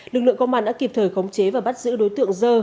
lực lượng công an đã kịp thời khống chế và bắt giữ đối tượng dơ